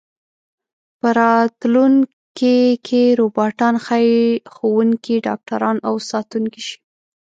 په راتلونکي کې روباټان ښايي ښوونکي، ډاکټران او ساتونکي شي.